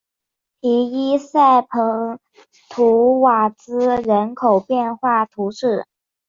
皮伊塞蓬图瓦兹人口变化图示